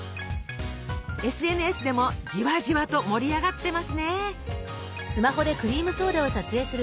ＳＮＳでもじわじわと盛り上がってますね。